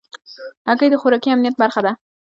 هګۍ د خوراکي امنیت برخه ده.